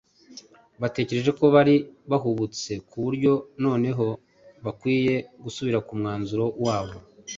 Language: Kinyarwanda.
Batekereje ko bari bahubutse ku buryo noneho bakwiye gusubira ku mwanzuro wabo.